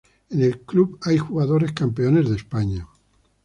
En el Club hay jugadores campeones de España.